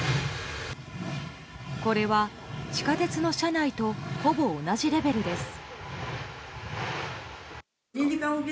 これは、地下鉄の車内とほぼ同じレベルです。